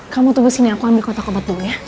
kamu tunggu sini aku ambil kotak obat dulu ya